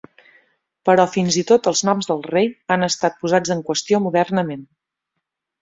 Però fins i tot els noms del rei han estat posats en qüestió modernament.